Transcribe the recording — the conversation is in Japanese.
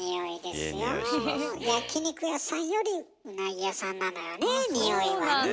焼き肉屋さんよりうなぎ屋さんなのよねにおいはね。